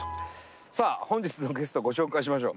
さあ本日のゲストをご紹介しましょう。